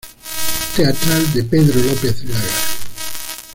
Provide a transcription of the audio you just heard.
Teatral de Pedro López Lagar.